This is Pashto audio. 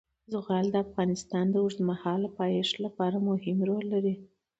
زغال د افغانستان د اوږدمهاله پایښت لپاره مهم رول لري.